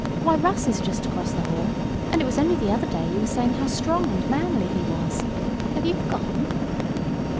Why, Russ is just across the hall, and it was only the other day you were saying how strong and manly he was. Have you forgotten?"